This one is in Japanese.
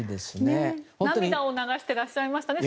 涙を流してらっしゃいましたね